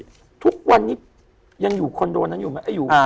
ยังอยู่คอนโดนนั้นอยู่ไหม